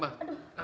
mau ke atas nih ma